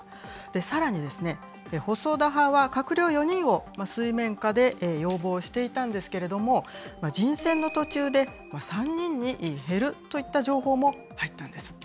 さらにですね、細田派は閣僚４人を水面下で要望していたんですけれども、人選の途中で３人に減るといった情報も入ったんです。